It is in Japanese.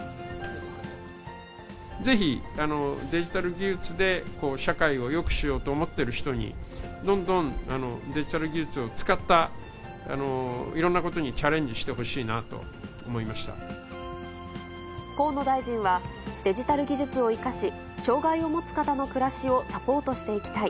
ぜひ、デジタル技術で社会をよくしようと思ってる人に、どんどんデジタル技術を使ったいろんなことにチャレンジしてほし河野大臣は、デジタル技術を生かし、障がいを持つ方の暮らしをサポートしていきたい。